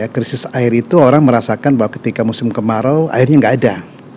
krisis air itu orang merasakan bahwa ketika musim kemarau airnya nggak ada